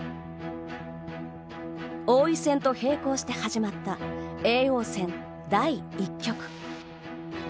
王位戦と並行して始まった叡王戦第１局。